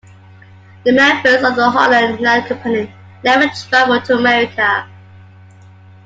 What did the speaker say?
The members of the Holland Land Company never travelled to America.